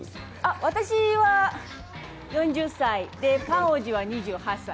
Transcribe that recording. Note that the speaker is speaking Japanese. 私は４０歳でパンおじは２８歳。